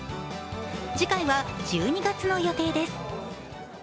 次回は１２月の予定です。